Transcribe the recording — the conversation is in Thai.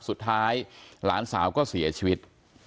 สุดท้ายหลานสาวก็เสียชีวิต